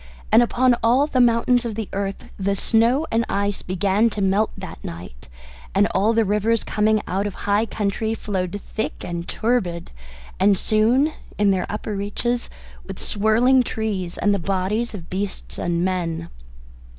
And upon all the mountains of the earth the snow and ice began to melt that night, and all the rivers coming out of high country flowed thick and turbid, and soon in their upper reaches with swirling trees and the bodies of beasts and men.